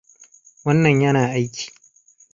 Wannan yana aiki.